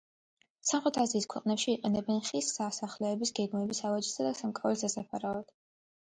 სამხრეთ აზიის ქვეყნებში იყენებენ ხის სასახლეების, გემების, ავეჯის და სამკაულების დასაფარად.